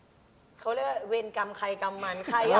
เขาเรียกว่าเวรกรรมใครกรรมมันใคร